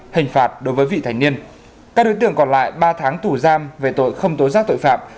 hình phạt đối với vị thành niên các đối tượng còn lại ba tháng tù giam về tội không tố giác tội phạm